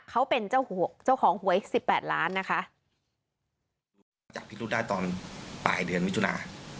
เขาเป็นเจ้าของเจ้าของหวยสิบแปดล้านนะคะจับพิรุธได้ตอนปลายเดือนมิถุนา